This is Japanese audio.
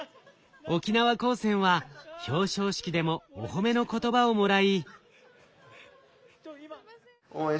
沖縄高専は表彰式でもお褒めの言葉をもらい。